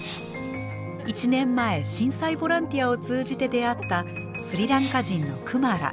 １年前震災ボランティアを通じて出会ったスリランカ人のクマラ。